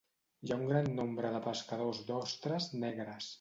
Hi ha un gran nombre de pescadors d'ostres negres.